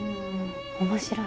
面白い！